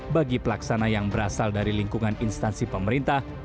bagi pelaksana yang berasal dari lingkungan instansi pemerintah